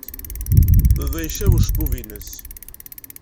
Baba icab ucebbub-nnes.